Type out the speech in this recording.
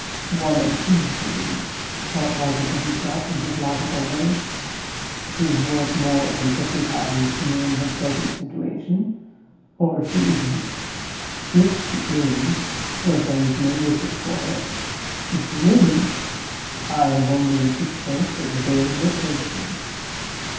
"One of two things," thought Wragge to himself, in his logical way. "She's worth more than fifty pounds to me in her present situation, or she isn't. If she is, her friends may whistle for her. If she isn't, I have only to keep her till the bills are posted."